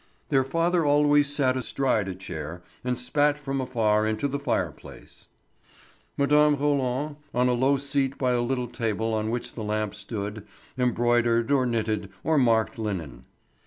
Their father always sat astride a chair and spat from afar into the fire place. Mme. Roland, on a low seat by a little table on which the lamp stood, embroidered, or knitted, or marked linen.